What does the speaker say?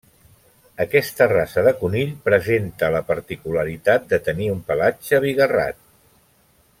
Aquesta raça de conill presenta la particularitat de tenir un pelatge bigarrat.